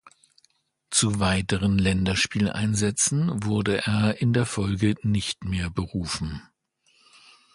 Zu weiteren Länderspieleinsätzen wurde er in der Folge nicht mehr berufen.